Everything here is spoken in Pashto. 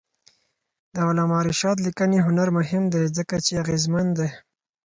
د علامه رشاد لیکنی هنر مهم دی ځکه چې اغېزمن دی.